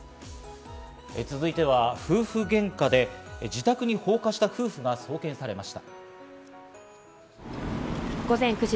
続いては夫婦げんかで自宅に放火した夫婦が送検されました。